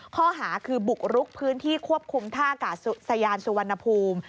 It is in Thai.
ข้อหาคือบุกรุกพื้นที่ควบคุมท่ากาศยานสุวรรณภูมิ